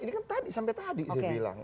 ini kan tadi sampai tadi saya bilang